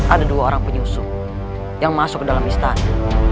ada dua orang penyusu yang masuk ke dalam istana